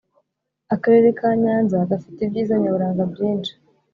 Akarere kanyanza gafite ibyiza nyaburanga byinshi